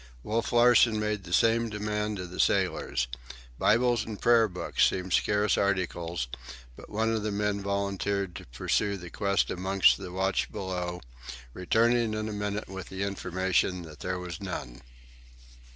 Wolf Larsen made the same demand of the sailors. Bibles and Prayer books seemed scarce articles, but one of the men volunteered to pursue the quest amongst the watch below, returning in a minute with the information that there was none.